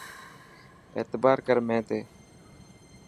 اعتبار ڪر مين تي.